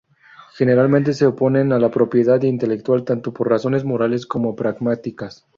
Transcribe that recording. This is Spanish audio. Generalmente se oponen a la propiedad intelectual tanto por razones morales como pragmáticas.